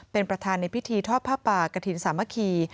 เป็นประธานในพิธีทอดผ้าป่ากระถิ่นสามัคคี